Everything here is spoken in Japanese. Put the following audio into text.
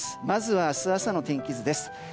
まず明日、朝の天気図です。